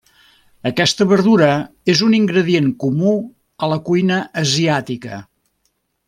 Aquesta verdura és un ingredient comú a la cuina asiàtica.